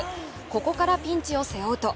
ここからピンチを背負うと